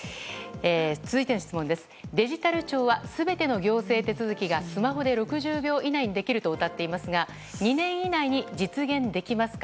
続いての質問ですがデジタル庁は全ての行政手続きがスマホで６０秒以内でできるとうたっていますが２年以内に実現できますか。